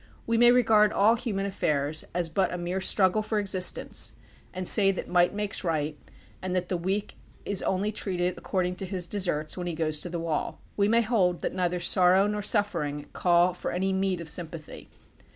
We may regard all human affairs but as a mere struggle for existence, and say that might makes right, and that the weak is only treated according to his deserts when he goes to the wall. We may hold that neither sorrow nor suffering call for any meed of sympathy.